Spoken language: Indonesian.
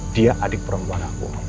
dia adik perempuan aku